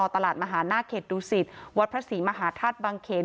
มหาหน้าเขตดูสิตวัดพระศรีมหาธาตุบังเขน